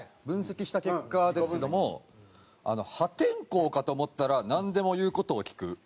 分析した結果ですけども「はてんこうかと思ったら何でも言う事をきく」。